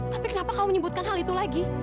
tapi kenapa kamu menyebutkan hal itu lagi